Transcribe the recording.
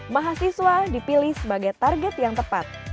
mahasiswa dipilih sebagai target yang tepat